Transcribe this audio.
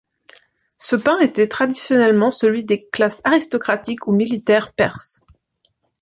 Ce pain était traditionnellement celui des classes aristocratiques ou militaires perses.